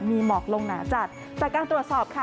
มีหมอกลงหนาจัดจากการตรวจสอบค่ะ